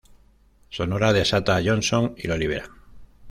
Sonora desata a Johnson y lo libera.